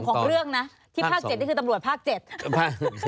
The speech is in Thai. ของเรื่องนะที่ภาค๗นี่คือตำรวจภาค๗